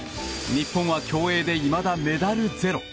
日本は競泳でいまだメダルゼロ。